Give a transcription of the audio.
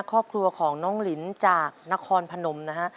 ครอบครัวของน้องลินจากนครพนมนะฮะ